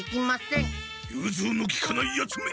ゆうずうのきかないヤツめ！